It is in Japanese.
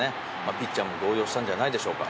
ピッチャーも動揺したんじゃないでしょうか。